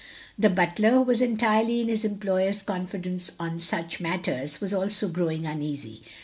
The butler, who was entirely in his employer's confidence on such matters, was also growing uneasy.